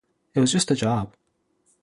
It was just a job.